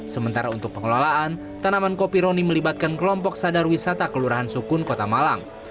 sementara untuk pengelolaan tanaman kopi roni melibatkan kelompok sadar wisata kelurahan sukun kota malang